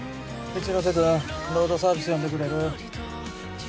一ノ瀬くんロードサービス呼んでくれる？